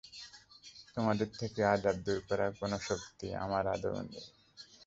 তোমাদের থেকে আযাব দূর করার কোন শক্তি আমার আদৌ নেই।